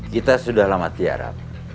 kita sudah lama tiara